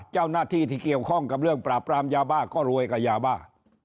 เจ้าหน้าที่ที่เกี่ยวข้องกับเรื่องปราบปรามยาบ้าก็รวยกับยาบ้า